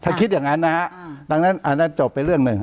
ถ้าคิดอย่างนั้นนะฮะดังนั้นอันนั้นจบไปเรื่องหนึ่ง